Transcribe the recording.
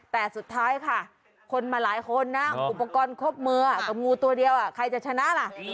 แต่สุดท้ายค่ะคนมาหลายคนนะอุปกรณ์ครบมือกับงูตัวเดียวใครจะชนะล่ะ